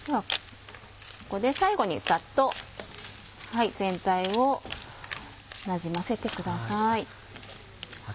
ここで最後にサッと全体をなじませてください。